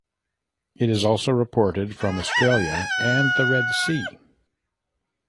It is also reported from Australia and the Red Sea.